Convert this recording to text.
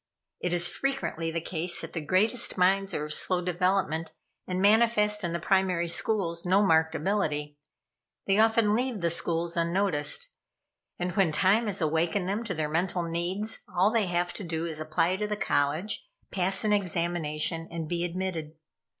It is frequently the case that the greatest minds are of slow development, and manifest in the primary schools no marked ability. They often leave the schools unnoticed; and when time has awakened them to their mental needs, all they have to do is to apply to the college, pass an examination, and be admitted.